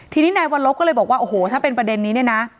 ทีนี้นายวัลลบก็เลยบอกว่าโอ้โหถ้าเป็นประเด็นนี้เนี่ยนะ